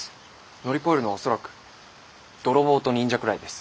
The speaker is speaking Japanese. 乗り越えるのは恐らく泥棒と忍者くらいです。